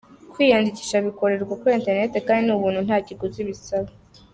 Kwiyandikisha bikorerwa kuri internet kandi ni ubuntu nta kiguzi bisaba.